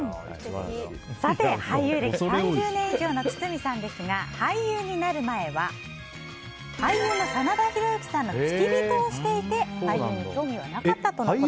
俳優歴３０年以上の堤さんですが俳優になる前は俳優の真田広之さんの付き人をしていて、俳優に興味はなかったということです。